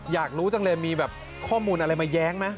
อยากรู้จังเลยมีข้อมูลไม่แย้งไหม